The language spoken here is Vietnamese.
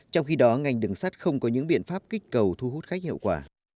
trong khi đó ngành đường sắt không có những biện pháp kích cầu thu hút khách hiệu quả